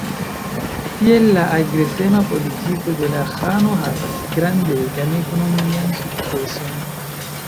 Tiel la agresema politiko de la ĥano havis grandegan ekonomian sukceson.